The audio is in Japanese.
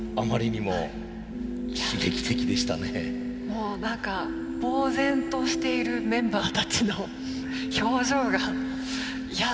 もう何かぼう然としているメンバーたちの表情がいや